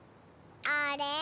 あれ？